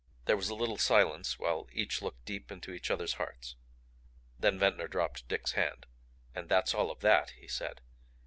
There was a little silence while each looked deep into each other's hearts. Then Ventnor dropped Dick's hand. "And that's all of THAT," he said.